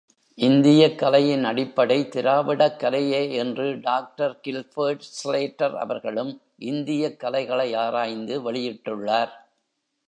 இந்தியக்கலையின் அடிப்படை, திராவிடக்கலையே என்று doctor Gilbert Slater அவர்களும் இந்தியக்கலைகளை ஆராய்ந்து வெளியிட்டுள்ளார்.